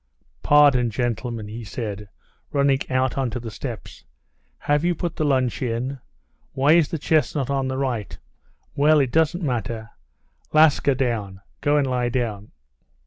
"Pardon, gentlemen!" he said, running out onto the steps. "Have you put the lunch in? Why is the chestnut on the right? Well, it doesn't matter. Laska, down; go and lie down!"